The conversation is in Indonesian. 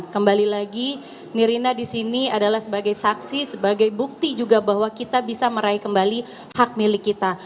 kembali lagi nirina di sini adalah sebagai saksi sebagai bukti juga bahwa kita bisa meraih kembali hak milik kita